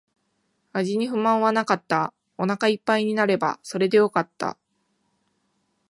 味に不満はなかった。お腹一杯になればそれでよかった。